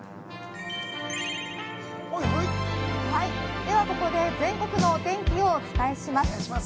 ではここで全国のお天気をお伝えします。